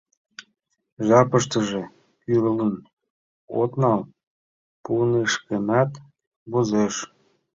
Жапыштыже кӱрлын от нал — пунышкенат возеш».